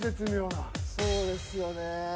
そうですよね。